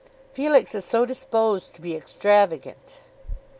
"Felix is so disposed to be extravagant."